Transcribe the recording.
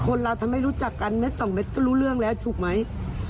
เราทำให้รู้จักกันเม็ดสองเม็ดก็รู้เรื่องแล้วถูกไหม